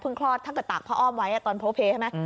เพิ่งคลอดถ้าเกิดตากพระอ้อมไว้อ่ะตอนโพเพใช่ไหม